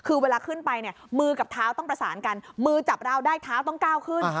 คือเวลาขึ้นไปเนี่ยมือกับเท้าต้องประสานกันมือจับเราได้เท้าต้องก้าวขึ้น